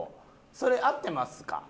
それ合ってますか？